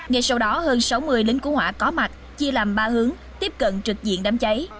ngay sau đó hơn sáu mươi lính cứu hỏa có mặt chia làm ba hướng tiếp cận trực diện đám cháy